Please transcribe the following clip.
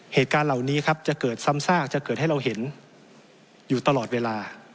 เหตุการณ์เหล่านี้ครับจะเกิดซ้ำซากจะเกิดให้เราเห็นอยู่ตลอดเวลา